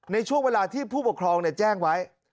ในช่วงเวลาที่ผู้ปกครองแจ้งไว้